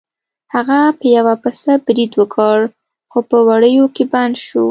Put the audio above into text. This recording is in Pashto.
هغه په یو پسه برید وکړ خو په وړیو کې بند شو.